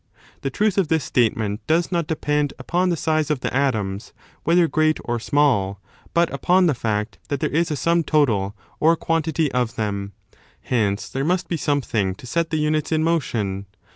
The truth of this statement does not depend upon the size of the atoms, whether great or small, but upon the fact that there is a sum total or quantity of them. Hence there must be something to set the units in motion.